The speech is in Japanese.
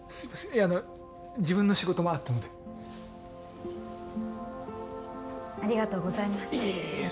いやあの自分の仕事もあったのでありがとうございますいえいえいえ